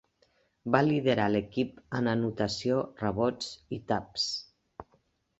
Va liderar l'equip en anotació, rebots i taps.